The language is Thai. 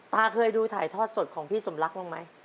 เคยดูถ่ายทอดสดของพี่สมรักบ้างไหม